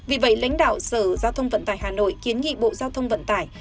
vì vậy lãnh đạo sở giao thông vận tải hà nội kiến nghị bộ giao thông vận tải